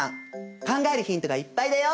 考えるヒントがいっぱいだよ！